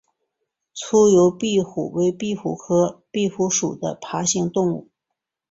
粗疣壁虎为壁虎科壁虎属的爬行动物。